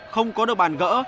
không có được bàn gỡ